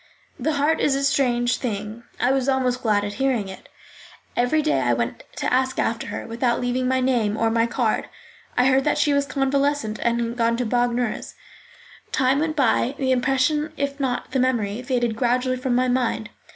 The heart is a strange thing; I was almost glad at hearing it. Every day I went to ask after her, without leaving my name or my card. I heard she was convalescent and had gone to Bagnères. Time went by, the impression, if not the memory, faded gradually from my mind.